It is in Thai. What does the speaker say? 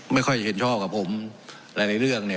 ไม่ค่อยเห็นชอบกับผมหลายเรื่องเนี่ย